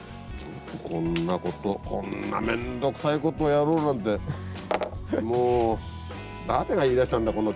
こんなことこんな面倒くさいことやろうなんてもう誰が言いだしたんだこんな球をやろうなんて。